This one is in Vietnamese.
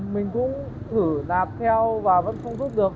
mình cũng thử nạp theo và vẫn không rút được